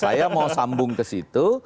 saya mau sambung ke situ